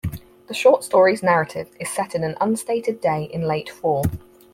The short story's narrative is set in an unstated day in late fall.